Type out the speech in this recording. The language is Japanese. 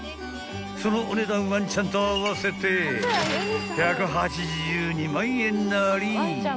［そのお値段ワンちゃんと合わせて１８２万円なり］